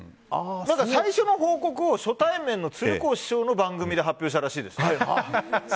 最初の報告を初対面の鶴光師匠の番組で発表したそうです。